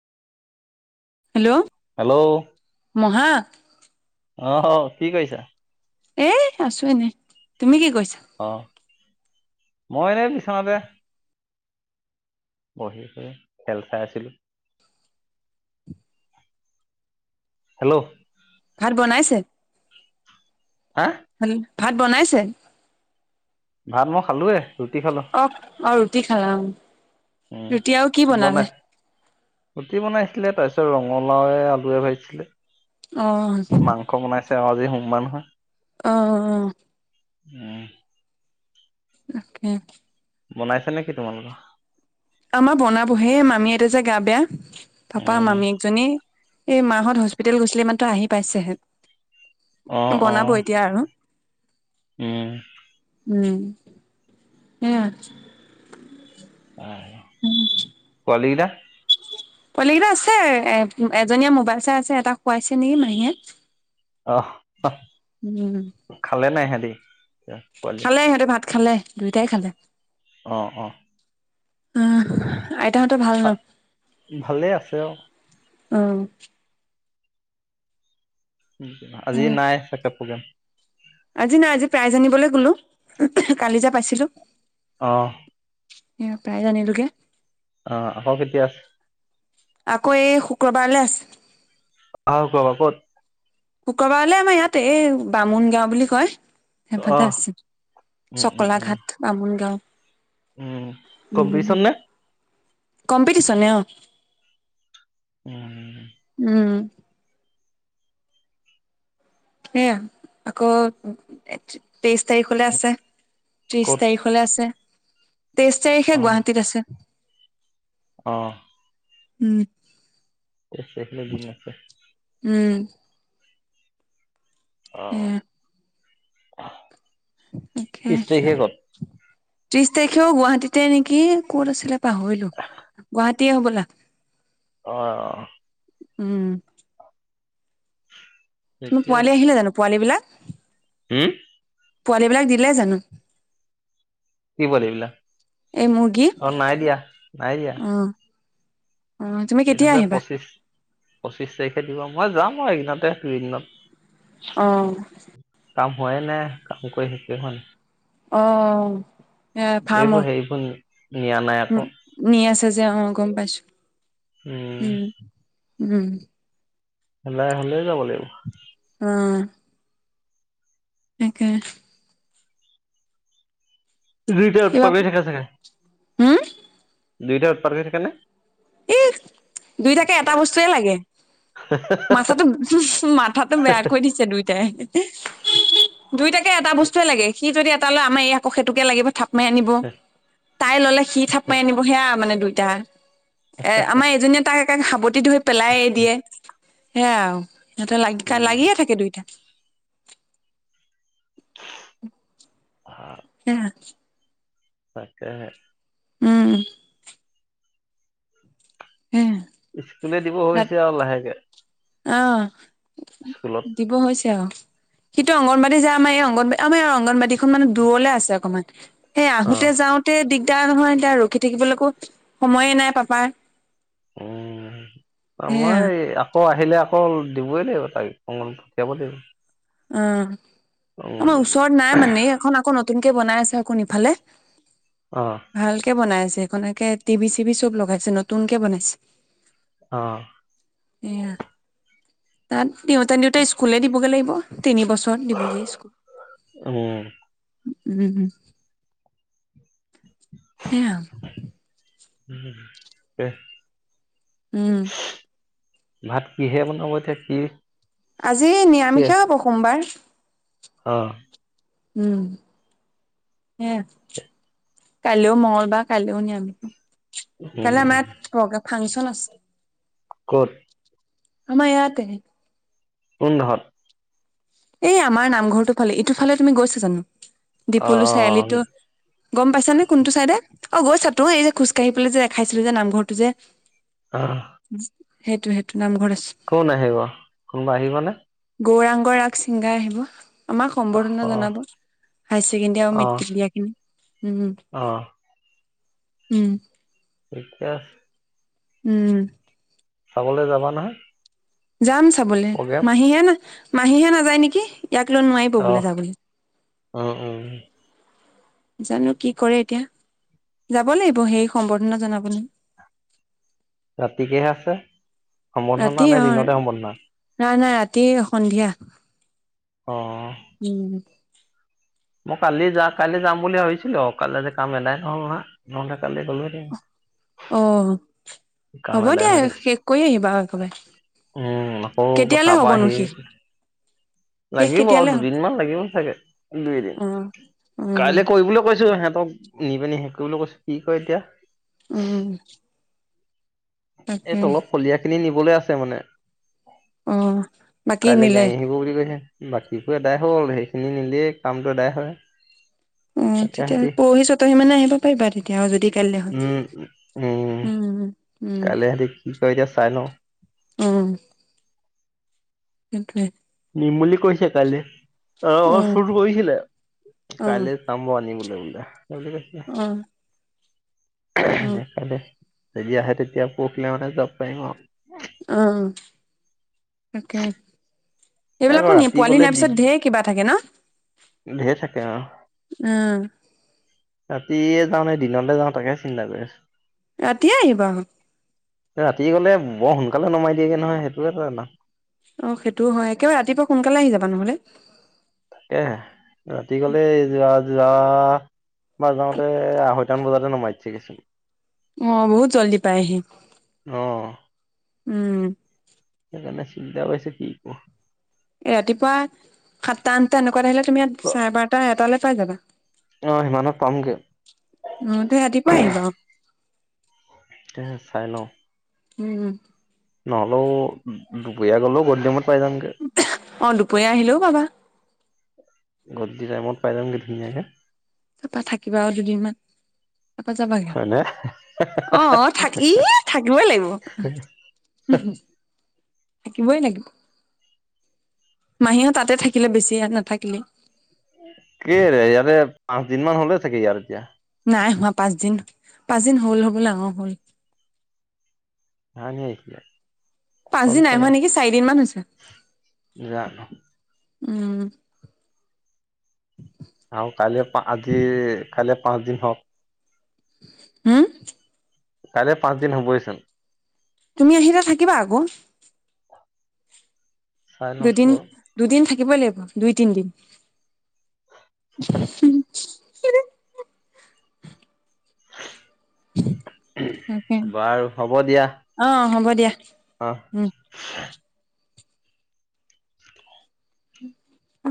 Hello মহা [unintelligible] অ হ কি কৈছা এ আছো এনে তুমি কি কৈছা অ মই এনে বিছনাতে বহি কৰি খেল চাই আছিলো হেল্ল' ভাত বনাইছে হা হেল ভাত বনাইছে ভাত মই খালোৱে ৰুটি খালো অ অ ৰুটি খালা অ উম ৰুটি আও কি বনাই বনালে ৰুটি বনাইছিলে তাৰপিছত ৰঙালাওৱে আলুৱে ভাজিছিলে অ তে আজি সোমবাৰ‌ নহয় অ অ উম অকে বনাইছা নেকি তোমালোকৰ আমাৰ বনাবহে মামী এটা যে গা বেয়া পাপা উম মামী একজনী এই মাহত হস্পিতেল গৈছিলে মাত্ৰ আহি পাইছেহেন অ [unintelligible] অ বনাব এতিয়া আৰু উম উম স উম উম কলগিলা [unintelligible] পোৱলী কেটা আছে এ এজনীয়ে মোবাইল চাই আছে এটা খুৱাইছে নেকি মাহীয়ে [unintelligible] অ উম খালে নাই হেন এ [unintelligible] এ ক খালে সিহঁতে ভাত খালে দুইটাই খালে অ অ উম ভালেই আছে অ আহ আজি নাই চেক প্ৰগ্ৰেম আজি নাই আজি প্ৰায় জানিবলৈ ক'লো কালি যো পাইছিলো অ এ প্ৰায় জানিলোগে [unintelligible] অ আহক কেতিয়াছে আকৌ এই শুক্ৰবাৰলৈ আছে আহ কোৱা বা ক'ত শুক্ৰবাৰলৈ আমাৰ ইয়াতে এই বামুণ গাও বুলি কয় সেইফলে আহ আছিল উম উম চকলা উম ঘাট বামুন গাও উম কম্পিটিশন নে কম্পিটিচন ন উম সেয়া আকৌ তেইশ তাৰিখলে আছে ত্ৰিশ ক'ত তাৰিখলৈ আছে তেইশ তাৰিখে অ গুৱাহাটীত আছে অ উম কছে নদী ম আছে [inaudible] সেয়া অ [unintelligible] তাকে। ত্ৰিশ তাৰিখেও গুৱাহাটীতে নেকি ক'ত আছিলে। পাহৰিলো গুৱাহাটী। তি হ'বলা। অ'হ। উম। তুমি পোৱালি আহিলে জানো পোৱালী বিলাক। হুম। পোৱালী বিলাক দিলে জানো। কি বল এইবিলাক এই মুৰ্গী অ নাই দিয়া নাই দিয়া। অ অ তুমি কেতিয়া তেনেহলে আহিবা। পঁচিশ পঁচিশ তাৰিখে দিব মই যাম আৰু সেইদিনতে দুইদিনত। অহ। কাম হয়ে নে কাম কৰি শেষকে হয় নাই। অ এ ফাম। এইবোৰ হেৰিবোৰ নিয়া নাই উম আকৌ ন আছা যে অ গম পাইছো। উম। উম। হাই হলে যাব লাগিব। উম। তাকে। দুইট প এইবাৰ থাক চাগ। হম দুইটা উৎপাত হৈ থাকে নে? এ দুইটাকে এটা বস্তুৱয়ে লাগে মাথাটো মাথাটো বেয় কৈ দিছে দুইটাই। দুইটাকে এটা বসুৱ লাগে য এ লয় আমাৰ এই আকৌ সেইটোকে লাগিব থাক। মা নিব। তাই ল'লে। সি থাপ মাই আনিব সেয়া মানে দুই। দা। এ আমাৰ এজনীয়ে তাই। দুই তাকে খাব। গুটি টো পেলাই দিয়ে। সে। সিহঁতে লাগি- উম লাগিয়ে থাকে দুইটা। [unintelligible] [inaudible] তাকে। উম, ' সেয়া স্কুলে দিব ভাবিছে আৰু লাহেকে। অহ স্কুলত ', দিব হৈছে আৰু। সিটো অংগনবাদী যায় আম এই অংগ, ' আমাৰ অংগবাদী, এইখন মানে দূৰলে আছে অকমান। সেই অ আহোতে যাওঁতে দিগ, এতিয়া নহয়, এতিয়া ৰখি থাকিবলৈকো সময়ে নাই পাপাৰ। উম, ' সেয়া মই আকৌ আহি, আহিলে আকৌ দিবই লাগিব তাক অলপ যাব লাগিব। উম, আমাৰ অংগনবাড়ী ওচৰত নাই মানে এখন আকৌ ন, ' নতুনকে বনাই আছে আকোন ইফালে। অ ভালকে বনাই আছে। হেনেকে টিভি- চিবি চব লগাইছে নতুনকে বনাইছে। অহ্ এয়া তাত, দিওঁতে নিওঁতে স্কুলে দিবগৈ লাগিব। তিনি বছৰত দিবগে স্কুল। উম উমম্, সেয়া আৰু, উম', উম, ' ভাত কিহে বনাব এতিয়া কি? আজি নিৰামিষ এ, হব সোমবাৰ। হ', উম', সেয়া কাইলৈও মগলবাৰ, কাইলৈও নিৰামিষে। উম কালা মাত বগা, ফাংচন আছে। ক' ত? আমাৰ ইয়াতে কোন ঘৰত, এই আমাৰ নামঘৰটো ফালে সটোফালে তুমি গৈছা জানোঁ? অ দীপলু অ চাৰি আহ আলিতো গম পাইছ নে কোনটো চাইডে? অ গৈছা তো, এই যে খোজকাাঢ়ি পেলাই যে দেখাইছিলো যে নামঘৰটো যে আহ। সেইটো, সেইটো নামঘৰ কোন আহিব কোনোবা আহিবনে গৌৰাংগৰাগ ছিংগাৰ আহিব। আমাক অ সম্বৰ্ধনা জনাব হায়াৰ ছেকেণ্ডাৰী আৰু অ মেট্ৰিক দিয়াখিনিক। অ উম। [inaudible] উম। চাবলৈ যাবা নহয় যাম চাবলৈ। প্ৰগ্ৰেম মাহীহে না মাহীহে নাযায় নেকি? ইয়াক লৈ নোৱাৰিব বোলে যাবলৈ। অ উম জানো কি কৰে এতিয়া? যাব লাগিব সেই সম্বৰ্ধনা জনাবলৈ। ৰাতিকেহে আছে। ৰাতি সম্বৰ্ধনা নে অ দিনতে সম্বৰ্ধনা নাই নাই ৰাতি সন্ধিয়া অ উম মই কালি যাম, কাইলৈ যাম বুলি ভাবিছিলোঁ। অ কাইলৈ যে কাম এদায় হোৱা নাই, নহ'লে কালি গলোঁ হেঁতেন। অ কাম হ'ব এদায় দিয়া হয় নেকি? শেষ কৰি আহিবা আৰু একেবাৰে উম--আকৌ কেতিয়ালে তাৰপৰা হ'বনো আহি শেষ শেষ লাগিব আৰু কেতিয়ালে হ'ব দুদিনমান লাগিব ছাগে--দুই দিন। অ উম কাইলে কৰিবলৈ কৈছোঁ সিহঁতক। নিবানি, শেষ কৰিবলৈ কৈছোঁ, কি কয় এতিয়া? উম এই তাকে তলপ ফলিয়া খিনি নি অকলে আছে মানে অ বাকী কাইলৈ নিলে গাড়ী আহিব বুলি কৈছে বাকীবোৰ এদাই হ'ল। সেইখিনি নিলে কামটো এদাই হয়। তাকে অ--তেতিয়া সিহঁতি পৰহি চতৰহি মানত আহিব পাৰিবা, তেতিয়া যদি কাইলৈ হয়। উম উম উম উম কাইলৈ আহ দে এতিয়া চাই লওঁ। উম। সেইটোৱে নিম বুলি কৈছে কাইলৈ। অ অ উম চুৰ কৰিছিলে। অ কাইলৈ যাব আনিবলৈ। [unintelligible] [unintelligible] অ অ দেখা দে তেতিয়া আহে, তেতিয়া পৰহিলে মানে যাব পাৰিম আৰু অ উম তাকে আকৌ এইবিলাকো নিয়ে, ৰাতি পোৱালি গলে নিয়াৰ পিছত দিগ ঢেৰ কিবা থাকে ন? ধেৰ থাকে আৰু উম ৰাতিয়ে যাওঁ নে দিনতে যাওঁ, তাকে চিন্তা কৰি আছো। ৰাতিয়ে আহিবা। ৰাতি গ'লে বৰ সোনকালে নমাই দিয়েগে নহয় সেইটোয়ে টো না অ সেইটোও হয়। একেবাৰে ৰাতিপুৱা সোনকালে আহি যাবা নহ'লে তাকে ৰাতি গ'লে যোৱা যোৱা বাৰ যাওঁতে আঢ়ৈটা মান বজাতে নমাই দিছেগে চোন অ বহুত জল্দি পায়হি অহ উম সেইকাৰণে চিন্তা কৰিছে কি ক ৰাতিপুৱা সাতটা আঠটা এনেক- কোৱাত আহিলে তুমি ইয়াত কৰো চাৰে বাৰটা এটালে পাই যাবা অ সিমানত পামগে অহ তই ৰাতিপুৱা আহিবা অ এ চাই লওঁ উম নহ'লেও দুপৰীয়া গ'লো গধূলি সময়ত - অ দুপৰীয়া আহিলেও পাবা। গধূলি টাইমত পাই যামগে ধুনীয়াকে। তাৰপা থাকিবা আৰু দুদিনমান। তপা যাবাগে হয় নে আও অ থা ই থাকিবই লাগিব থাকিবই লাগিব। মাহীহত তাতে থাকিলে বেছি ইয়াত নাথাকিলেই। কিৰে ইয়াতে আ দিনমান হ'লেই থাকি ইয়াত এতিয়া। নাই হোৱা পাঁচদিন পাঁচদিন হ'ল হবলা অ হ'ল কাহানি আহিছিলা? পাঁচ দিন নাই হোৱা নেকি চাৰিদিন মান হৈছে। জানো উম আৰু কাললৈ পা আজি কাইলে পাঁচ দিন হওঁক। হুও কাইলৈ পাঁচ দিন হ'বহিচোন তুমি আহিলে থাকিবা আকৌ চাই দুদিন লওঁচোন দুদিন থাকে থাকিব লাগিব দুই তিনিদিন হুম হুম হিঁ তাকে। বাৰু হ'ব দিয়া অ হ'ব দিয়া অঁ উম